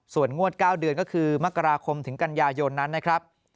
ส่วนงวด๙เดือนก็คือมกราคมถึงกันยายนนั้นนะครับ